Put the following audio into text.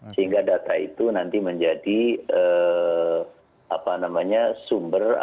sehingga data itu nanti menjadi sumber atau menjadi pegangan untuk kesejahteraan sosial